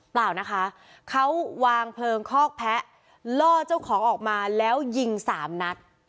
เปล่านะคะเขาวางเพลิงคอกแพะล่อเจ้าของออกมาแล้วยิงสามนัด